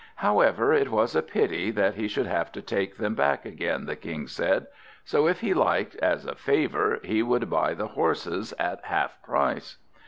However, it was a pity that he should have to take them back again, the King said; so, if he liked, as a favour, he would buy the horses, at half price.